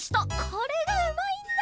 これがうまいんだ！